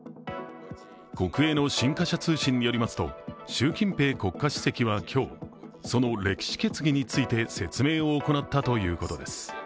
国営の新華社通信によりますと習近平国家主席は今日その歴史決議について説明を行ったということです。